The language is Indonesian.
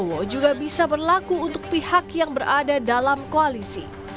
prabowo juga bisa berlaku untuk pihak yang berada dalam koalisi